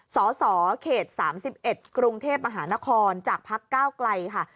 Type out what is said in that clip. สสเขต๓๑กรุงเทพมหานครจากพักก้าวไกลค่ะ